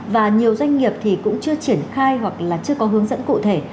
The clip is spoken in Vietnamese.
và nhiều doanh nghiệp thì cũng chưa triển khai hoặc là chưa có hướng dẫn cụ thể